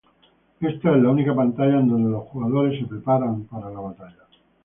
Esta es la única pantalla en donde los jugadores se preparan para la batalla.